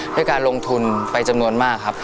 ด้วยการลงทุนไปจำนวนมากครับ